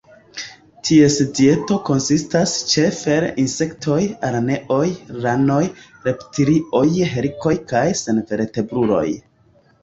Ties dieto konsistas ĉefe el insektoj, araneoj, ranoj, reptilioj, helikoj kaj senvertebruloj.